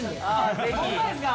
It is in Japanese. ホンマですか？